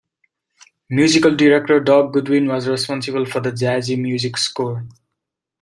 Musical director Doug Goodwin was responsible for the jazzy music score.